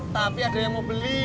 tapi ada yang mau beli